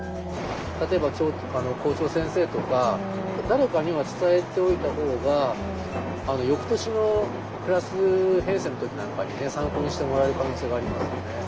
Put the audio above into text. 例えば校長先生とか誰かには伝えておいた方が翌年のクラス編成の時なんかに参考にしてもらえる可能性がありますよね。